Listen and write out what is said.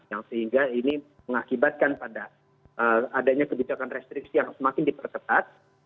yang sehingga ini mengakibatkan pada adanya kebijakan restriksi yang semakin diperketat